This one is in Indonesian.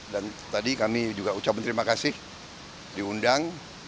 dan tadi kami juga ucapkan terima kasih diundang